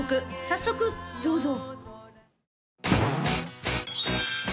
早速どうぞ！